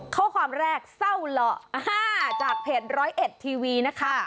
ข้อความแรกเศร้าเหรอจากเพจร้อยเอ็ดทีวีนะคะ